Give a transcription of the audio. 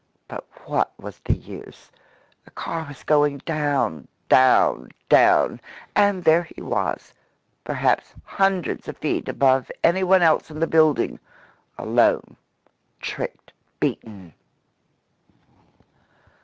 But what was the use? The car was going down down down, and there he was, perhaps hundreds of feet above any one else in the building alone, tricked, beaten!